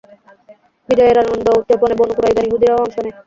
বিজয়ের এই আনন্দ উদযাপনে বনু কুরাইযার ইহুদীরাও অংশ নেয়।